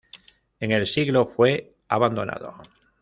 En el siglo fue abandonado.